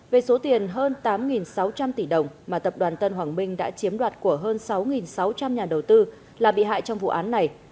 về số tiền hơn tám sáu trăm linh tỷ đồng mà tập đoàn tân hoàng minh đã chiếm đoạt của hơn sáu sáu trăm linh nhà đầu tư là bị hại trong vụ án này